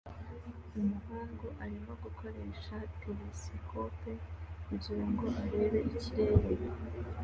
Umuhungu arimo gukoresha telesikope kugirango arebe ikirere